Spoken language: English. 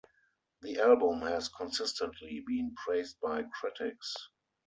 The album has consistently been praised by critics.